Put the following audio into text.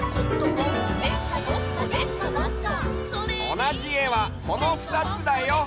おなじえはこのふたつだよ！